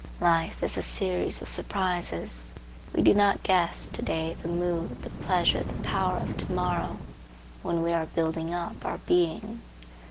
Life is a series of surprises. We do not guess to day the mood, the pleasure, the power of to morrow, when we are building up our being.